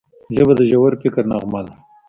ژبه د ژور فکر نغمه ده